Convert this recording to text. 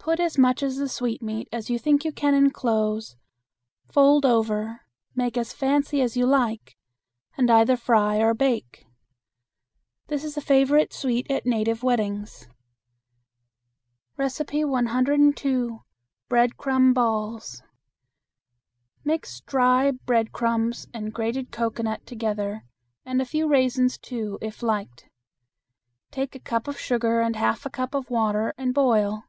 Put as much of the sweetmeat as you think you can enclose, fold over, make as fancy as you like, and either fry or bake. This is a favorite sweet at native weddings. 102. Breadcrumb Balls. Mix dry breadcrumbs and grated cocoanut together, and a few raisins, too, if liked. Take a cup of sugar and half a cup of water, and boil.